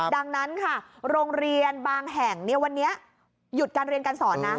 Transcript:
ดังนั้นค่ะโรงเรียนบางแห่งวันนี้หยุดการเรียนการสอนนะ